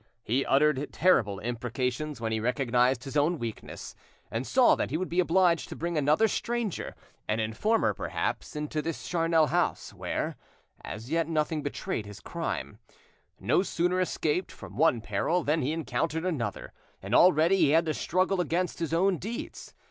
He uttered terrible imprecations when he recognised his own weakness, and saw that he would be obliged to bring another stranger, an informer perhaps, into this charnel house, where; as yet, nothing betrayed his crimes. No sooner escaped from one peril than he encountered another, and already he had to struggle against his own deeds.